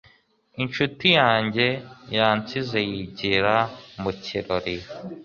inshuti yanjye yansize yigira mu kirori